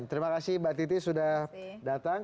terima kasih mbak titi sudah datang